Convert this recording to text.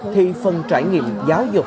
thì phần trung học cơ sở này cũng rất là vui vẻ